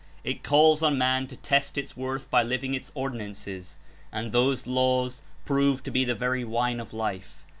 It calls on man to test its worth by living its Ordinances, and those laws prove to be the very wine of Life.